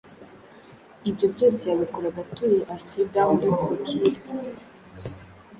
Ibyo byose yabikoraga atuye Astrida muri Procure.